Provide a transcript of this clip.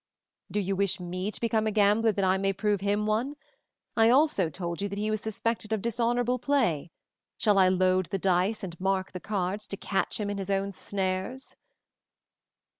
"Do you wish me to become a gambler that I may prove him one? I also told you that he was suspected of dishonorable play shall I load the dice and mark the cards to catch him in his own snares?"